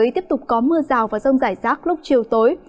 tiếp tục có mưa rào và rông rải rác lúc chiều tối